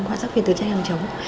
họa sắc việt từ tranh hàng chống